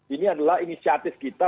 ini adalah inisiatif kita